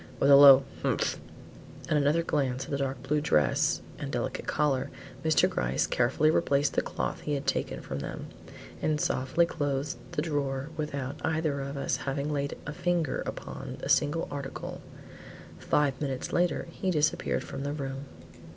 With a low "humph!" and another glance at the dark blue dress and delicate collar, Mr. Gryce carefully replaced the cloth he had taken from them, and softly closed the drawer without either of us having laid a finger upon a single article. Five minutes later he disappeared from the room.